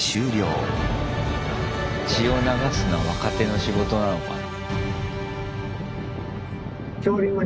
血を流すのは若手の仕事なのかな。